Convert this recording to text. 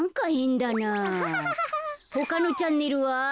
ほかのチャンネルは？